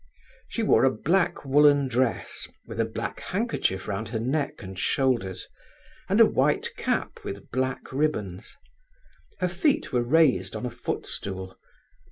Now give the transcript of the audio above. She wore a black woollen dress, with a black handkerchief round her neck and shoulders, and a white cap with black ribbons. Her feet were raised on a footstool.